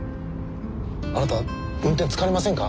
あなた運転疲れませんか？